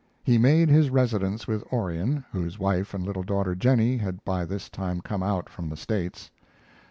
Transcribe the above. He made his residence with Orion, whose wife and little daughter Jennie had by this time come out from the States.